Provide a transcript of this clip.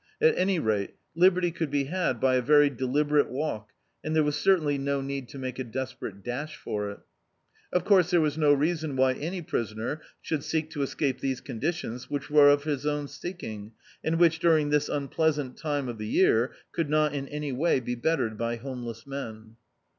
At any rate, liberty could be had by a very deliberate walk and there was certainly no need to make a desperate dash for it. Of course, there was no reason why any prisoner should seek to escape these condirions, which were of his own seeking, and which, during this unpleasant time of the year, could not in any way be bettered by homeless men.